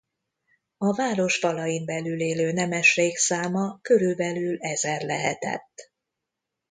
A város falain belül élő nemesség száma körülbelül ezer lehetett.